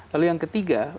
lalu yang ketiga